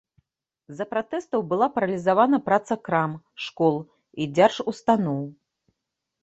З-за пратэстаў была паралізаваная праца крам, школ і дзяржустаноў.